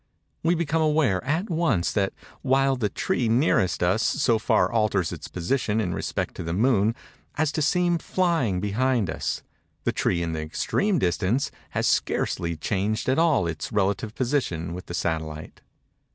We become aware, at once, that while the tree nearest us so far alters its position in respect to the moon, as to seem flying behind us, the tree in the extreme distance has scarcely changed at all its relative position with the satellite.